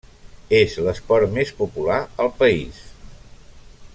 És l'esport més popular al país.